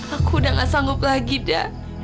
aku udah nggak sanggup lagi da